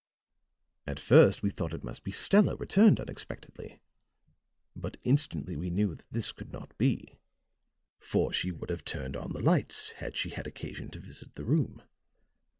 "At first we thought it must be Stella returned unexpectedly; but instantly we knew that this could not be, for she would have turned on the lights had she had occasion to visit the room.